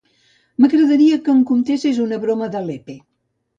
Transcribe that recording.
M'agradaria que em contessis una broma de Lepe.